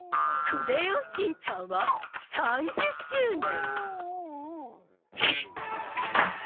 『クレヨンしんちゃん』は３０周年。